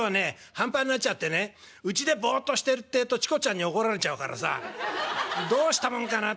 半端になっちゃってねうちでぼっとしてるってえとチコちゃんに怒られちゃうからさどうしたもんかなと思って。